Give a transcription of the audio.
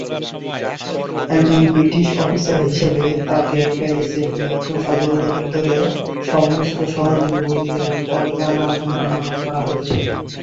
একজন British officer হিসাবে, তাঁকে প্যারিসের মিত্র সদর দফতরে সমস্ত সহযোগী বন্দীদের একটি তালিকা আনার জন্য অনুরোধ করা হয়েছিল।